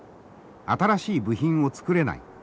新しい部品を作れない。